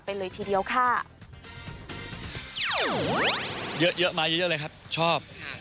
เลยทีเดียวค่ะเยอะเยอะมาเยอะเยอะเลยครับชอบค่ะ